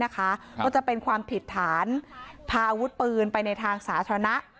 ก็จะเป็นความผิดฐานพาอาวุธปืนไปในทางสาธารณะ